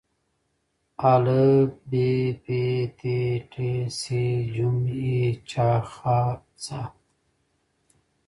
آا ب پ ت ټ ث ج ح چ خ څ